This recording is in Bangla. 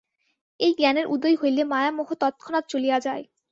এই জ্ঞানের উদয় হইলে মায়ামোহ তৎক্ষণাৎ চলিয়া যায়।